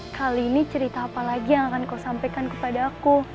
kali ini cerita apa lagi yang akan kau sampaikan kepada aku